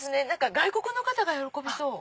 外国の方が喜びそう。